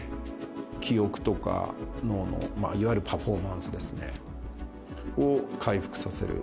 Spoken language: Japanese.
記憶とか脳の、いわゆるパフォーマンスを回復させる。